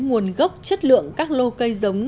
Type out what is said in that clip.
nguồn gốc chất lượng các lô cây giống